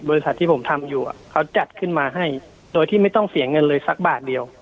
ที่ผมทำอยู่เขาจัดขึ้นมาให้โดยที่ไม่ต้องเสียเงินเลยสักบาทเดียว